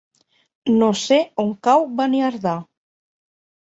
No sé on cau Beniardà.